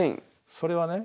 それはね